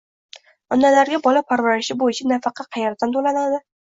onalarga bola parvarishi bo‘yicha nafaqa qayerdan to‘lanadi?